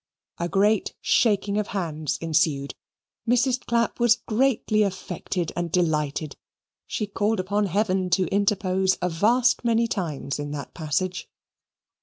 A great shaking of hands ensued Mrs. Clapp was greatly affected and delighted; she called upon heaven to interpose a vast many times in that passage.